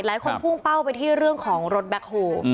พุ่งเป้าไปที่เรื่องของรถแบ็คโฮล